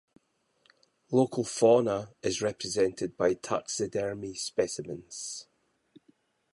Local fauna is represented by taxidermy specimens.